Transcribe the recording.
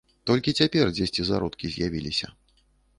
Толькі цяпер дзесьці зародкі з'явіліся.